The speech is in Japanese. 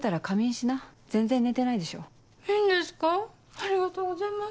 ありがとうございます。